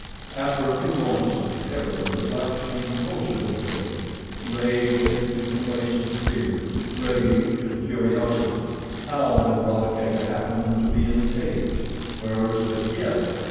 After a few moments of terror, the blacks came closer to the cage, rage taking the place of fear rage and curiosity. How had Rabba Kega happened to be in the cage? Where was the kid?